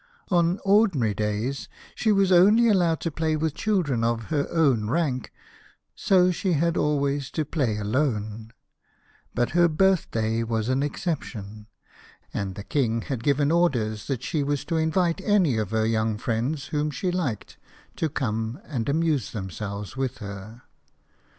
On ordinary days she was only allowed to play with children of her own rank, so she had always to play alone, but her birthday was an exception, and the King had given orders that she was to invite any of her young friends whom she liked to come and amuse themselves with her.